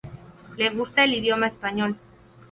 Le gusta el idioma español.